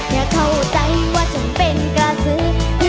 อย่าเข้าใจว่าจำเป็นกระสือ